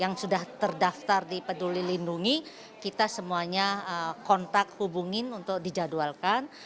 yang sudah terdaftar di peduli lindungi kita semuanya kontak hubungin untuk dijadwalkan